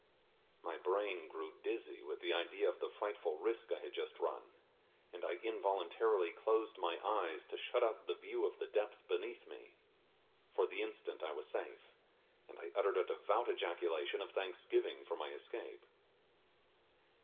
My brain grew dizzy with the idea of the frightful risk I had just run, and I involuntarily closed my eyes to shut out the view of the depth beneath me. For the instant I was safe, and I uttered a devout ejaculation of thanksgiving for my escape.